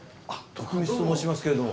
徳光と申しますけれども。